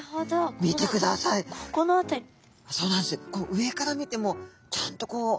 上から見てもちゃんとこう。